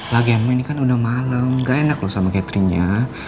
lah gemma ini kan udah malem gak enak loh sama catherine nya